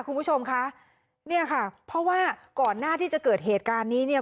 คุณผู้ชมคะเนี่ยค่ะเพราะว่าก่อนหน้าที่จะเกิดเหตุการณ์นี้เนี่ย